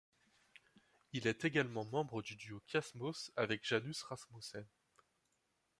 Il est également membre du duo Kiasmos avec Janus Rasmussen.